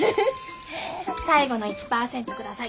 最後の１％下さい。